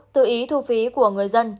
tự ý thu phí của người dân